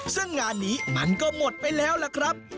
ซึ่งงานนี้มันก็หมดไปแล้วล่ะครับ